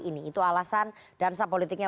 ini itu alasan dansa politiknya